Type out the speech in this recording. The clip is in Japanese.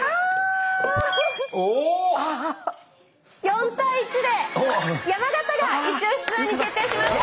４対１で山形がイチオシツアーに決定しました！